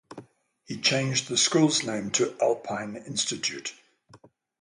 He changed the school's name to Alpine Institute.